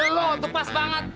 lo tepas banget